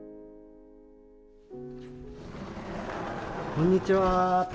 こんにちは。